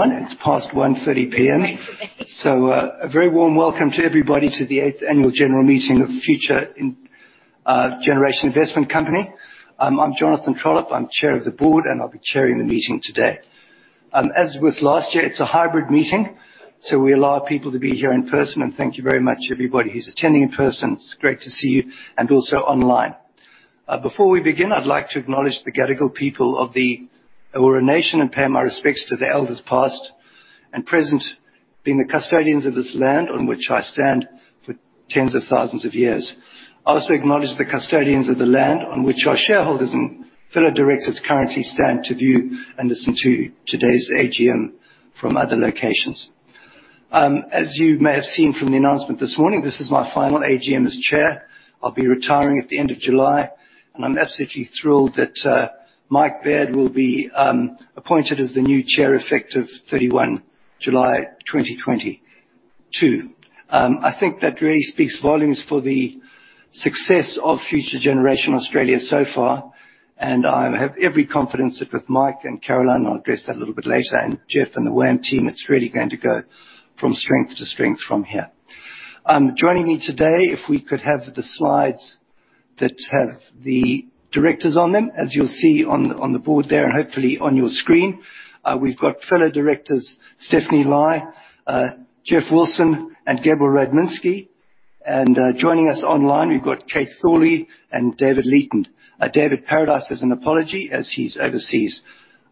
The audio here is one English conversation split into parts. It's past 1:30 P.M. A very warm welcome to everybody to the eighth annual general meeting of Future Generation Investment Company. I'm Jonathan Trollip. I'm Chair of the board, and I'll be chairing the meeting today. As with last year, it's a hybrid meeting, so we allow people to be here in person. Thank you very much everybody who's attending in person. It's great to see you and also online. Before we begin, I'd like to acknowledge the Gadigal people of the Eora Nation and pay my respects to the elders past and present being the custodians of this land on which I stand for tens of thousands of years. I also acknowledge the custodians of the land on which our shareholders and fellow directors currently stand to view and listen to today's AGM from other locations. As you may have seen from the announcement this morning, this is my final AGM as chair. I'll be retiring at the end of July, and I'm absolutely thrilled that Mike Baird will be appointed as the new chair effective 31 July 2022. I think that really speaks volumes for the success of Future Generation Australia so far, and I have every confidence that with Mike and Caroline, I'll address that a little bit later, and Geoff and the WAM team, it's really going to go from strength to strength from here. Joining me today, if we could have the slides that have the directors on them. As you'll see on the board there and hopefully on your screen, we've got fellow directors Stephanie Lai, Geoff Wilson, and Gabriel Radzyminski. Joining us online, we've got Kate Thorley and David Leeton. David Paradice sends an apology as he's overseas.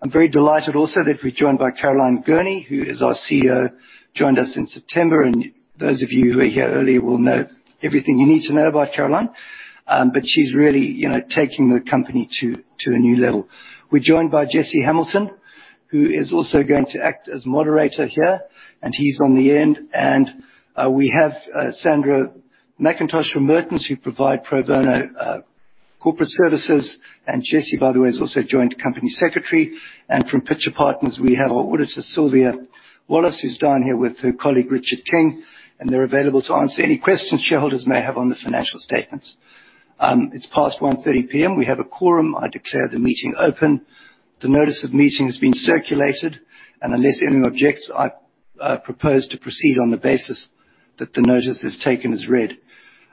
I'm very delighted also that we're joined by Caroline Gurney, who is our CEO, joined us in September. Those of you who were here earlier will know everything you need to know about Caroline. She's really, you know, taking the company to a new level. We're joined by Jesse Hamilton, who is also going to act as moderator here, and he's on the end. We have Sandra McIntosh from Mertons, who provide pro bono corporate services. Jesse, by the way, has also joined Company Secretary. From Pitcher Partners, we have our auditor, Sylvia Wallace, who's down here with her colleague, Richard King. They're available to answer any questions shareholders may have on the financial statements. It's past 1:30 P.M. We have a quorum. I declare the meeting open. The notice of meeting has been circulated, and unless anyone objects, I propose to proceed on the basis that the notice is taken as read.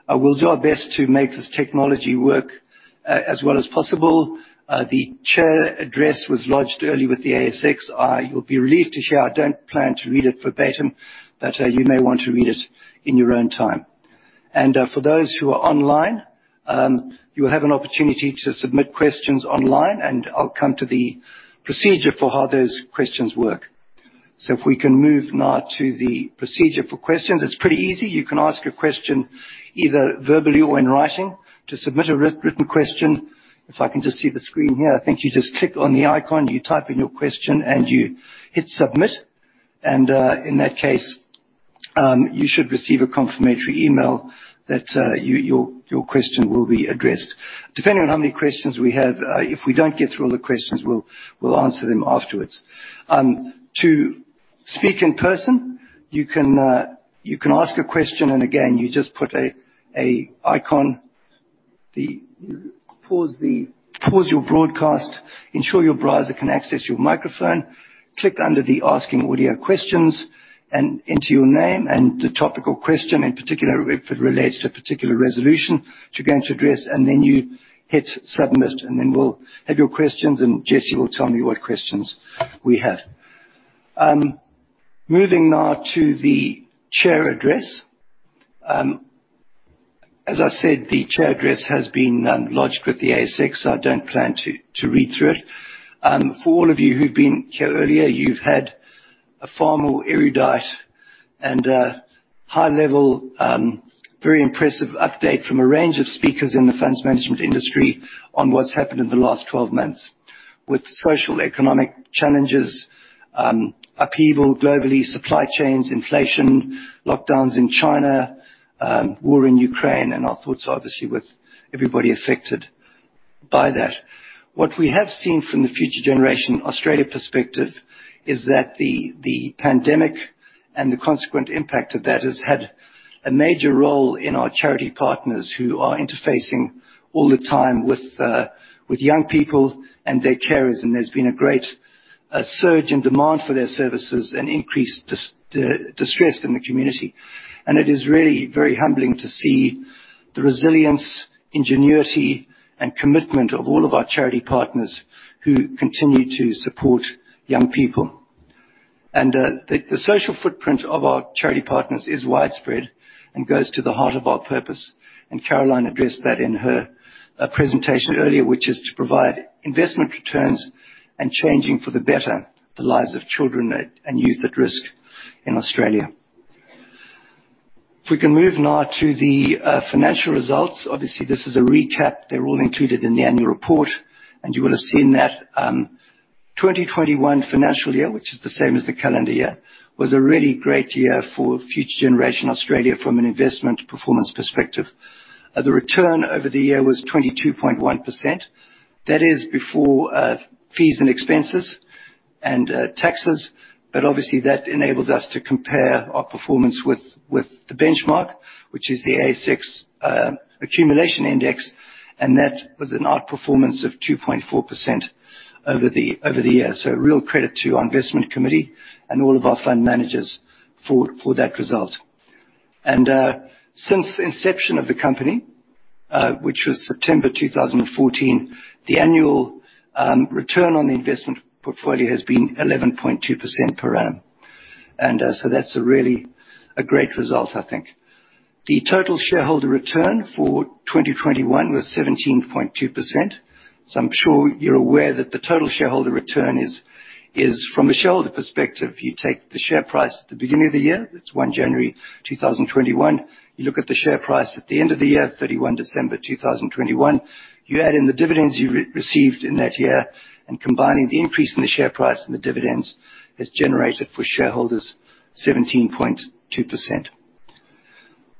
I will do our best to make this technology work as well as possible. The chair address was lodged early with the ASX. You'll be relieved to hear I don't plan to read it verbatim, but you may want to read it in your own time. For those who are online, you will have an opportunity to submit questions online, and I'll come to the procedure for how those questions work. If we can move now to the procedure for questions. It's pretty easy. You can ask a question either verbally or in writing. To submit a written question, if I can just see the screen here, I think you just click on the icon, you type in your question, and you hit Submit. In that case, you should receive a confirmatory email that your question will be addressed. Depending on how many questions we have, if we don't get through all the questions, we'll answer them afterwards. To speak in person, you can ask a question, and again, you just put an icon. Pause your broadcast. Ensure your browser can access your microphone. Click under the Ask an Audio Question, and enter your name and the topical question, in particular, if it relates to a particular resolution we're going to address, and then you hit Submit. Then we'll have your questions, and Jesse will tell me what questions we have. Moving now to the chair address. As I said, the chair address has been lodged with the ASX. I don't plan to read through it. For all of you who've been here earlier, you've had a far more erudite and high level, very impressive update from a range of speakers in the funds management industry on what's happened in the last 12 months with socio-economic challenges, upheaval globally, supply chains, inflation, lockdowns in China, war in Ukraine, and our thoughts obviously with everybody affected by that. What we have seen from the Future Generation Australia perspective is that the pandemic and the consequent impact of that has had a major role in our charity partners who are interfacing all the time with young people and their carers. There's been a great surge in demand for their services and increased distress in the community. It is really very humbling to see the resilience, ingenuity, and commitment of all of our charity partners who continue to support young people. The social footprint of our charity partners is widespread and goes to the heart of our purpose. Caroline addressed that in her presentation earlier, which is to provide investment returns and changing for the better the lives of children and youth at risk in Australia. If we can move now to the financial results. Obviously, this is a recap. They're all included in the annual report, and you will have seen that. 2021 financial year, which is the same as the calendar year, was a really great year for Future Generation Australia from an investment performance perspective. The return over the year was 22.1%. That is before fees and expenses and taxes. Obviously that enables us to compare our performance with the benchmark, which is the ASX accumulation index, and that was an outperformance of 2.4% over the year. Real credit to our investment committee and all of our fund managers for that result. Since inception of the company, which was September 2014, the annual return on the investment portfolio has been 11.2% per annum. That's a really great result, I think. The total shareholder return for 2021 was 17.2%. I'm sure you're aware that the total shareholder return is from a shareholder perspective. You take the share price at the beginning of the year, that's 1 January 2021. You look at the share price at the end of the year, 31 December 2021. You add in the dividends you received in that year, and combining the increase in the share price and the dividends has generated for shareholders 17.2%.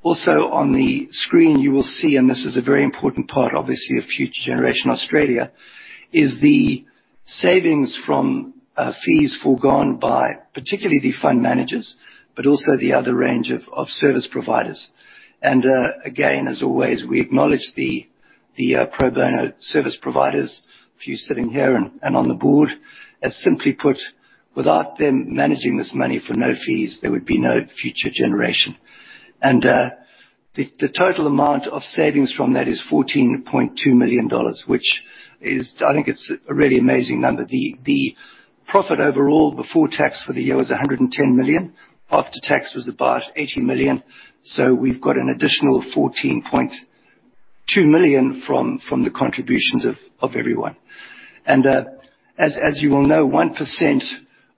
Also on the screen you will see, and this is a very important part, obviously, of Future Generation Australia, is the savings from fees foregone by particularly the fund managers, but also the other range of service providers. Again, as always, we acknowledge the pro bono service providers, a few sitting here and on the board, as simply put, without them managing this money for no fees, there would be no Future Generation. The total amount of savings from that is 14.2 million dollars, which is I think it's a really amazing number. The profit overall before tax for the year was 110 million. After tax was about 80 million. We've got an additional 14.2 million from the contributions of everyone. As you all know, 1%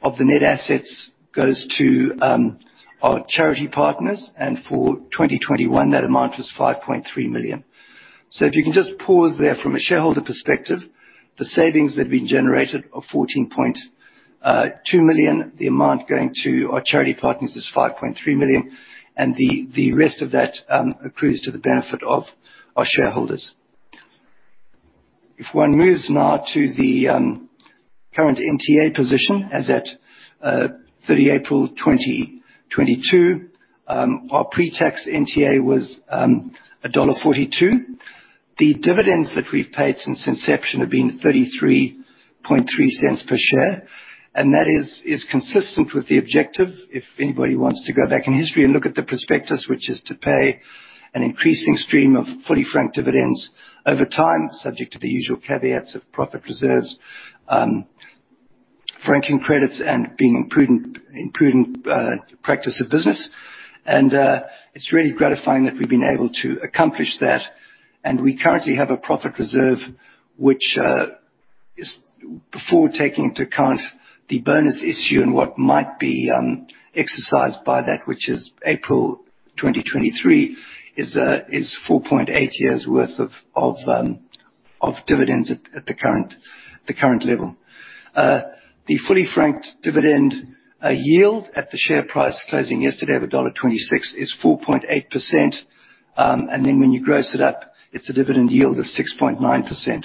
of the net assets goes to our charity partners. For 2021, that amount was 5.3 million. If you can just pause there from a shareholder perspective, the savings that have been generated of 14.2 million, the amount going to our charity partners is 5.3 million, and the rest of that accrues to the benefit of our shareholders. If one moves now to the current NTA position as at 30 April 2022, our pre-tax NTA was dollar 1.42. The dividends that we've paid since inception have been 0.333 per share, and that is consistent with the objective. If anybody wants to go back in history and look at the prospectus, which is to pay an increasing stream of fully franked dividends over time, subject to the usual caveats of profit reserves, franking credits and being prudent practice of business. It's really gratifying that we've been able to accomplish that. We currently have a profit reserve, which is before taking into account the bonus issue and what might be exercised by that, which is April 2023, is 4.8 years worth of dividends at the current level. The fully franked dividend yield at the share price closing yesterday of dollar 1.26 is 4.8%. Then when you gross it up, it's a dividend yield of 6.9%.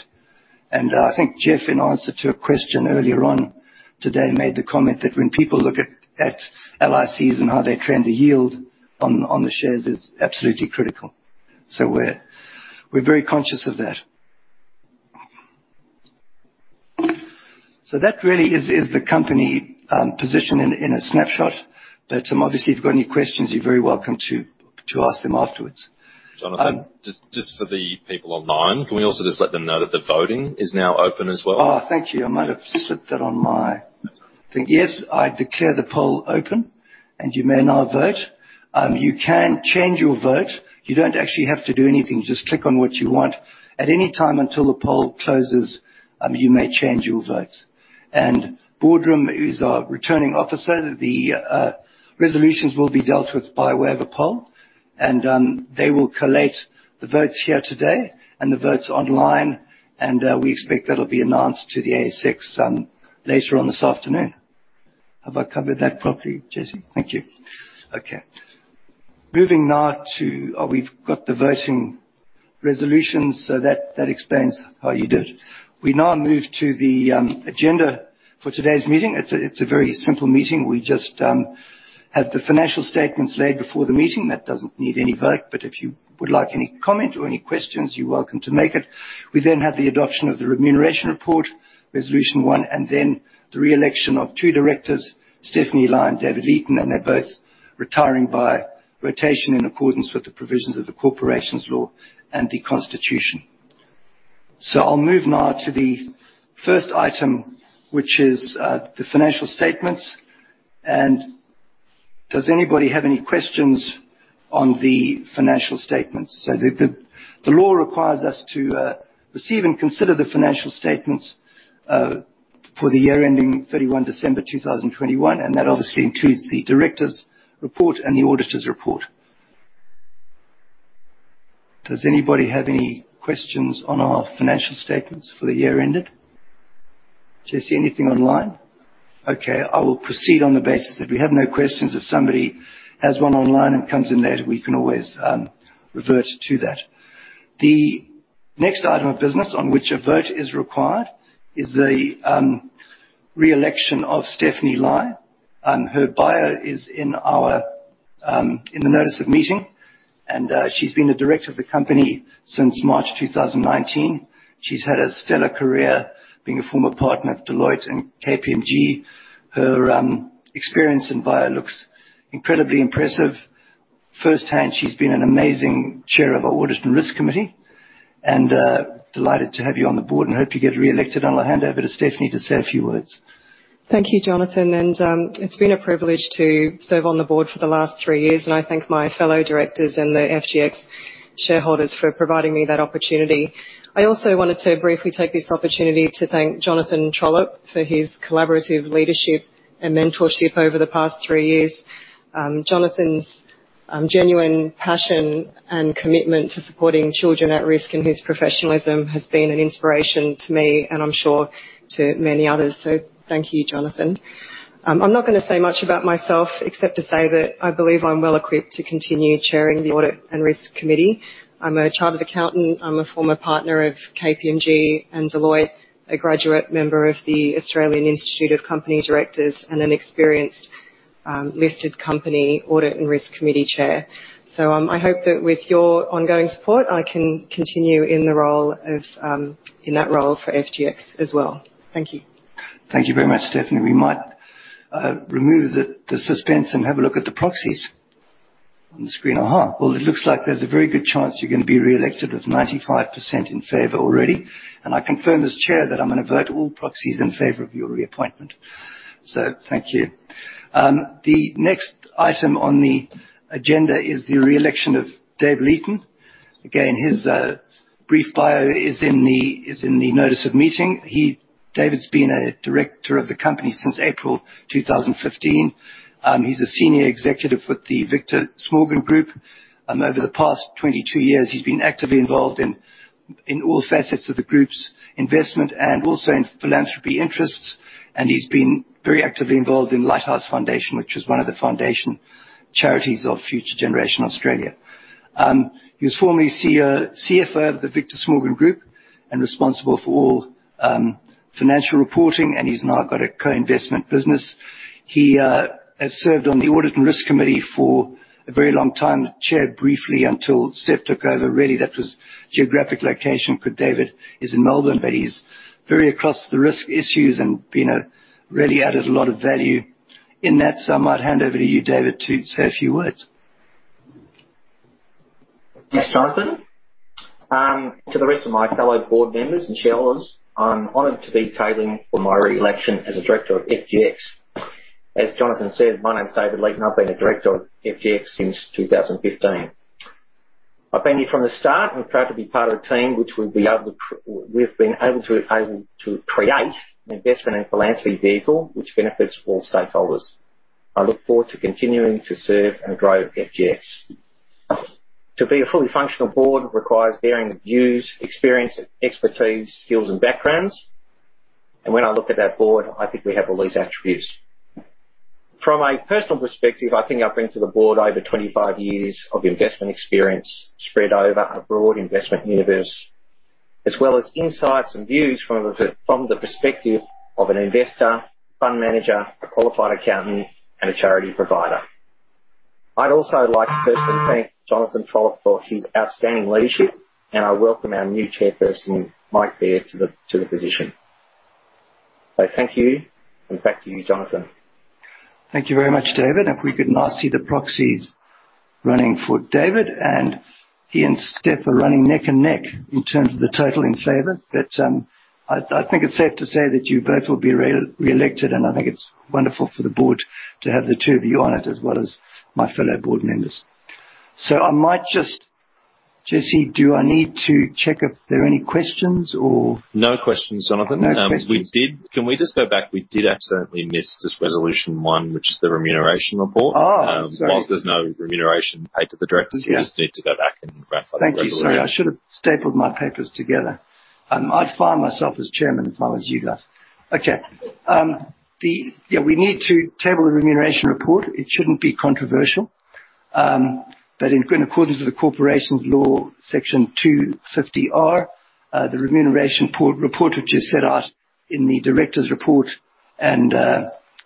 I think Geoff, in answer to a question earlier on today, made the comment that when people look at LICs and how they trend the yield on the shares is absolutely critical. We're very conscious of that. That really is the company position in a snapshot. Obviously, if you've got any questions, you're very welcome to ask them afterwards. Jonathan, just for the people online, can we also just let them know that the voting is now open as well? Oh, thank you. Yes, I declare the poll open, and you may now vote. You can change your vote. You don't actually have to do anything, just click on what you want. At any time until the poll closes, you may change your vote. BoardRoom is our returning officer. The resolutions will be dealt with by way of a poll, and they will collate the votes here today and the votes online, and we expect that'll be announced to the ASX later on this afternoon. Have I covered that properly, Jesse? Thank you. Okay. Oh, we've got the voting resolutions, so that explains how you do it. We now move to the agenda for today's meeting. It's a very simple meeting. We just have the financial statements laid before the meeting. That doesn't need any vote, but if you would like any comment or any questions, you're welcome to make it. We then have the adoption of the remuneration report, Resolution 1, and then the re-election of two directors, Stephanie Lai and David Leeton, and they're both retiring by rotation in accordance with the provisions of the Corporations Law and the constitution. I'll move now to the first item, which is the financial statements. Does anybody have any questions on the financial statements? The law requires us to receive and consider the financial statements for the year ending 31 December 2021, and that obviously includes the directors' report and the auditors' report. Does anybody have any questions on our financial statements for the year ended? Jesse, anything online? Okay, I will proceed on the basis. If we have no questions, if somebody has one online and comes in later, we can always revert to that. The next item of business on which a vote is required is the re-election of Stephanie Lai, and her bio is in our in the notice of meeting. She's been a director of the company since March 2019. She's had a stellar career being a former partner at Deloitte and KPMG. Her experience in bio looks incredibly impressive. Firsthand, she's been an amazing chair of our audit and risk committee, and delighted to have you on the board and hope you get reelected. I'm gonna hand over to Stephanie to say a few words. Thank you, Jonathan. It's been a privilege to serve on the board for the last three years, and I thank my fellow directors and the FGX shareholders for providing me that opportunity. I also wanted to briefly take this opportunity to thank Jonathan Trollip for his collaborative leadership and mentorship over the past three years. Jonathan's genuine passion and commitment to supporting children at risk and his professionalism has been an inspiration to me, and I'm sure to many others. Thank you, Jonathan. I'm not gonna say much about myself except to say that I believe I'm well equipped to continue chairing the Audit and Risk Committee. I'm a chartered accountant. I'm a former partner of KPMG and Deloitte, a graduate member of the Australian Institute of Company Directors and an experienced listed company audit and risk committee chair. I hope that with your ongoing support, I can continue in the role of, in that role for FGX as well. Thank you. Thank you very much, Stephanie. We might remove the suspense and have a look at the proxies on the screen. A-ha. Well, it looks like there's a very good chance you're gonna be reelected with 95% in favor already. I confirm as Chair that I'm gonna vote all proxies in favor of your reappointment. Thank you. The next item on the agenda is the reelection of David Leeton. Again, his brief bio is in the notice of meeting. David's been a director of the company since April 2015. He's a senior executive with the Victor Smorgon Group. Over the past 22 years, he's been actively involved in all facets of the group's investment and also in philanthropy interests. He's been very actively involved in Lighthouse Foundation, which is one of the foundation charities of Future Generation Australia. He was formerly CFO of the Victor Smorgon Group and responsible for all, financial reporting, and he's now got a co-investment business. He has served on the audit and risk committee for a very long time. Chaired briefly until Steph took over. Really, that was geographic location, for David is in Melbourne. He's very across the risk issues and, you know, really added a lot of value in that. I might hand over to you, David, to say a few words. Thanks, Jonathan. To the rest of my fellow board members and shareholders, I'm honored to be tabling for my reelection as a director of FGX. As Jonathan said, my name is David Leeton. I've been a director of FGX since 2015. I've been here from the start and proud to be part of a team which we've been able to create an investment and philanthropy vehicle which benefits all stakeholders. I look forward to continuing to serve and grow FGX. To be a fully functional board requires varying views, experience, expertise, skills and backgrounds. When I look at our board, I think we have all these attributes. From a personal perspective, I think I bring to the board over 25 years of investment experience spread over a broad investment universe, as well as insights and views from the perspective of an investor, fund manager, a qualified accountant and a charity provider. I'd also like to personally thank Jonathan Trollip for his outstanding leadership, and I welcome our new chairperson, Mike Baird, to the position. Thank you, and back to you, Jonathan. Thank you very much, David. If we could now see the proxies running for David, and he and Steph are running neck and neck in terms of the total in favor. I think it's safe to say that you both will be reelected, and I think it's wonderful for the board to have the two of you on it, as well as my fellow board members. I might just Jesse, do I need to check if there are any questions or? No questions, Jonathan. No questions. Can we just go back? We did accidentally miss just resolution 1, which is the remuneration report. Oh, sorry. Whilst there's no remuneration paid to the directors. Yeah. We just need to go back and ratify the resolution. Thank you. Sorry. I should have stapled my papers together. I'd fire myself as chairman if I was you guys. Okay. Yeah, we need to table the remuneration report. It shouldn't be controversial. But in accordance with the Corporations Law Section 250R, the remuneration report, which is set out in the directors' report and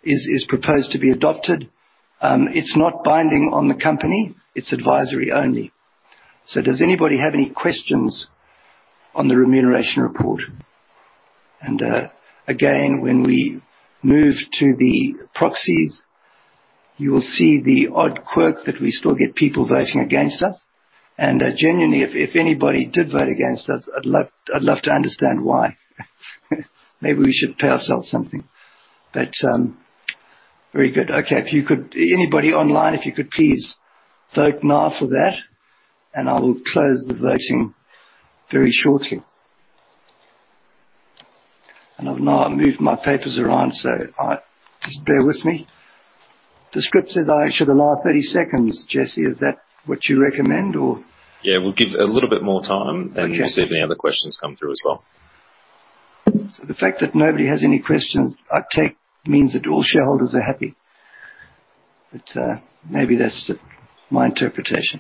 is proposed to be adopted. It's not binding on the company. It's advisory only. Does anybody have any questions on the remuneration report? Again, when we move to the proxies, you will see the odd quirk that we still get people voting against us. Genuinely, if anybody did vote against us, I'd love to understand why. Maybe we should pay ourselves something. Very good. Okay. If you could. Anybody online, if you could please vote now for that, and I will close the voting very shortly. I've now moved my papers around, so just bear with me. The script says I should allow 30 seconds. Jesse, is that what you recommend or? Yeah. We'll give a little bit more time. Okay. We'll see if any other questions come through as well. The fact that nobody has any questions, I take means that all shareholders are happy. Maybe that's just my interpretation.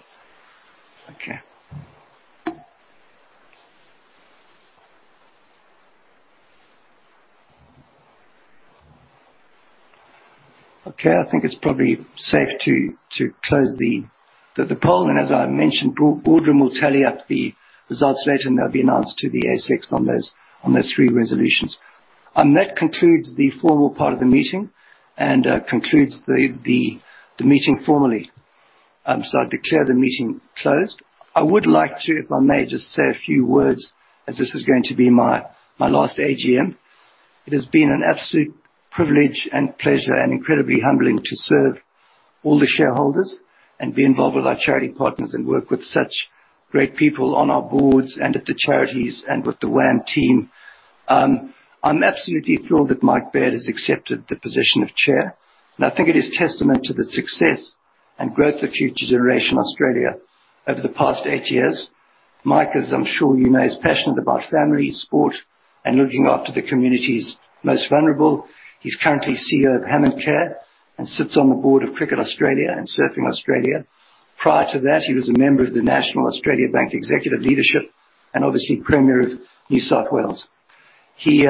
Okay. I think it's probably safe to close the poll. As I mentioned, BoardRoom will tally up the results later, and they'll be announced to the ASX on those three resolutions. That concludes the formal part of the meeting and concludes the meeting formally. I declare the meeting closed. I would like to, if I may, just say a few words as this is going to be my last AGM. It has been an absolute privilege and pleasure and incredibly humbling to serve all the shareholders and be involved with our charity partners and work with such great people on our boards and at the charities and with the WAM team. I'm absolutely thrilled that Mike Baird has accepted the position of chair, and I think it is testament to the success and growth of Future Generation Australia over the past eight years. Mike, as I'm sure you know, is passionate about family, sport, and looking after the community's most vulnerable. He's currently CEO of HammondCare and sits on the board of Cricket Australia and Surfing Australia. Prior to that, he was a member of the National Australia Bank executive leadership and obviously Premier of New South Wales. He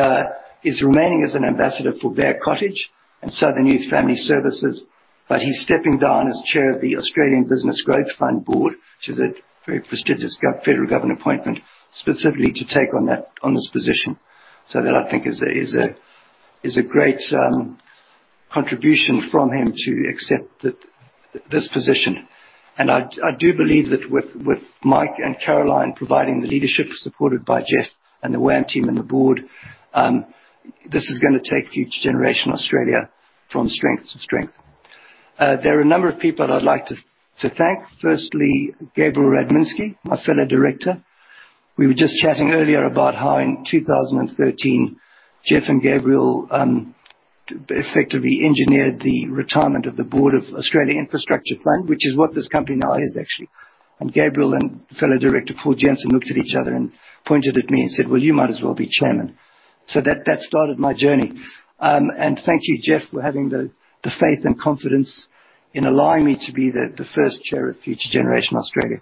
is remaining as an ambassador for Bear Cottage and Southern Youth and Family Services, but he's stepping down as chair of the Australian Business Growth Fund board, which is a very prestigious federal government appointment, specifically to take on this position. That, I think, is a great contribution from him to accept this position. I do believe that with Mike and Caroline providing the leadership supported by Geoff and the WAM team and the board, this is gonna take Future Generation Australia from strength to strength. There are a number of people that I'd like to thank. Firstly, Gabriel Radzyminski, my fellow director. We were just chatting earlier about how in 2013, Geoff and Gabriel effectively engineered the retirement of the board of Australian Infrastructure Fund, which is what this company now is actually. Gabriel and fellow director, Paul Jensen, looked at each other and pointed at me and said, "Well, you might as well be chairman." That started my journey. Thank you, Jeff, for having the faith and confidence in allowing me to be the first chair of Future Generation Australia.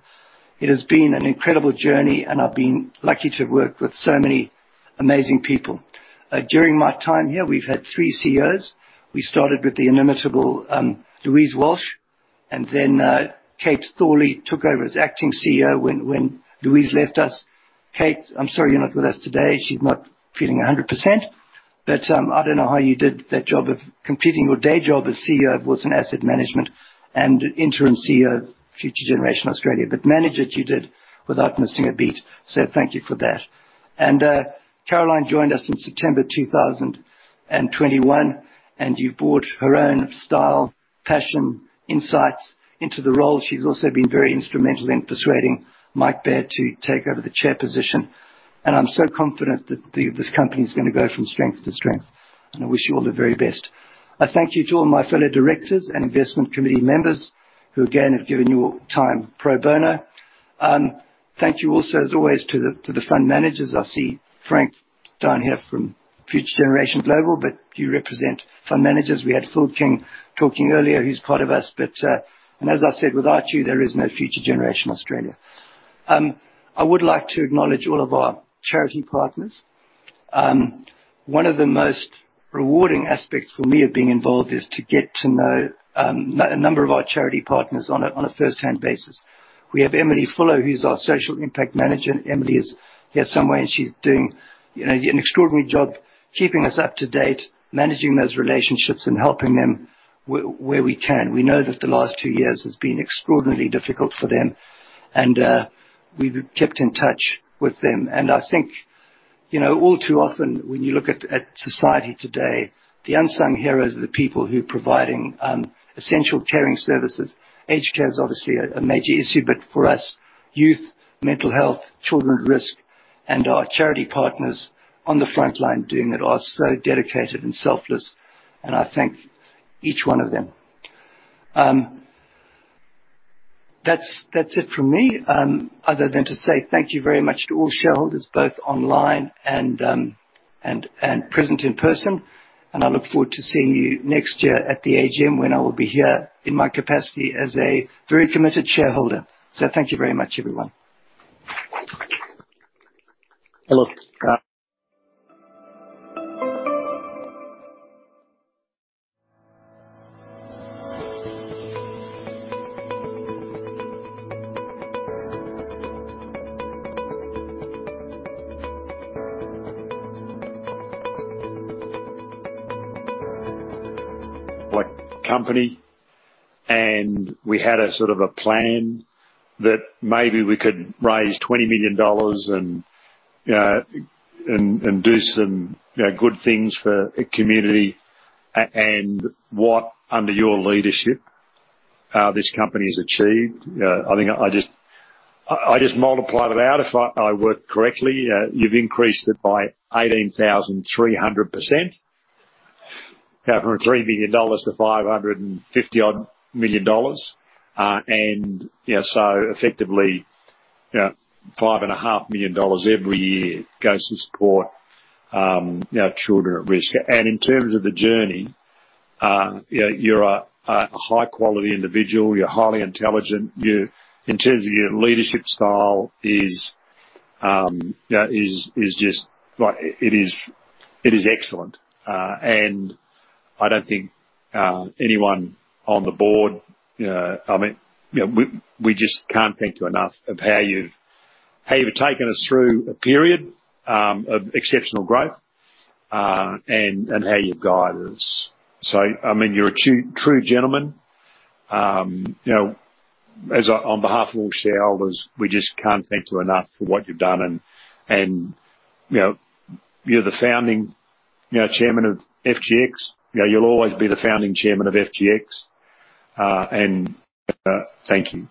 It has been an incredible journey, and I've been lucky to work with so many amazing people. During my time here, we've had three CEOs. We started with the inimitable Louise Walsh, and then Kate Thorley took over as acting CEO when Louise left us. Kate, I'm sorry you're not with us today. She's not feeling 100%. I don't know how you did that job of completing your day job as CEO of Wilson Asset Management and interim CEO of Future Generation Australia. But manage it you did without missing a beat. Thank you for that. Caroline joined us in September 2021, and you brought her own style, passion, insights into the role. She's also been very instrumental in persuading Mike Baird to take over the chair position. I'm so confident that the, this company is gonna go from strength to strength, and I wish you all the very best. I thank you to all my fellow directors and investment committee members who again have given your time pro bono. Thank you also, as always, to the, to the fund managers. I see Frank down here from Future Generation Global, but you represent fund managers. We had Phil King talking earlier, who's part of us, but, and as I said, without you, there is no Future Generation Australia. I would like to acknowledge all of our charity partners. One of the most rewarding aspects for me of being involved is to get to know a number of our charity partners on a first-hand basis. We have Emily Fuller, who's our Social Impact Manager, and Emily is here somewhere, and she's doing an extraordinary job keeping us up to date, managing those relationships and helping them where we can. We know that the last two years has been extraordinarily difficult for them, and we've kept in touch with them. I think, you know, all too often when you look at society today, the unsung heroes are the people who are providing essential caring services. Aged care is obviously a major issue, but for us, youth, mental health, children at risk, and our charity partners on the frontline doing it are so dedicated and selfless, and I thank each one of them. That's it from me, other than to say thank you very much to all shareholders, both online and present in person. I look forward to seeing you next year at the AGM when I will be here in my capacity as a very committed shareholder. Thank you very much, everyone. Hello. Go on. Like company, and we had a sort of a plan that maybe we could raise 20 million dollars and do some, you know, good things for a community and what under your leadership, this company has achieved. I think I just multiply that out if I work correctly. You've increased it by 18,300%. Yeah, from 3 million dollars to 550 odd million. You know, so effectively, you know, 5.5 million dollars every year goes to support, you know, children at risk. In terms of the journey, you know, you're a high quality individual. You're highly intelligent. In terms of your leadership style is, you know, just like it is excellent. I don't think anyone on the board, I mean, you know, we just can't thank you enough of how you've taken us through a period of exceptional growth, and how you've guided us. I mean, you're a true gentleman. You know, on behalf of all shareholders, we just can't thank you enough for what you've done and, you know, you're the founding chairman of FGX. You know, you'll always be the founding chairman of FGX. Thank you.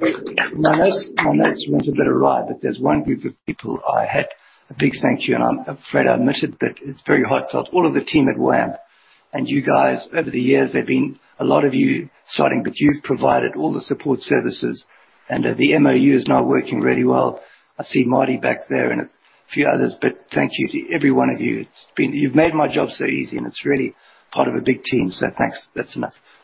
My notes weren't a bit awry, but there's one group of people I had a big thank you, and I'm afraid I missed it, but it's very heartfelt. All of the team at WAM. You guys, over the years, there've been a lot of you starting, but you've provided all the support services. The MOU is now working really well. I see Marty back there and a few others, but thank you to every one of you. It's been. You've made my job so easy, and it's really part of a big team. Thanks. That's enough.